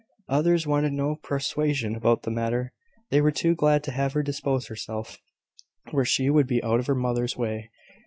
Others wanted no persuasion about the matter. They were too glad to have her dispose herself where she would be out of her mother's way.